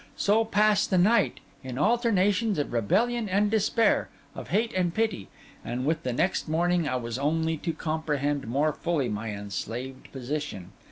So passed the night, in alternations of rebellion and despair, of hate and pity; and with the next morning I was only to comprehend more fully my enslaved position.